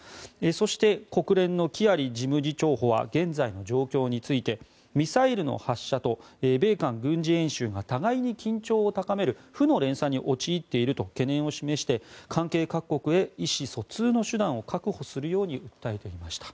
そして国連のキアリ事務次長補は現在の状況についてミサイルの発射と米韓軍事演習が互いに緊張を高める負の連鎖に陥っていると懸念を示して関係各国へ意思疎通の手段を確保するように訴えていました。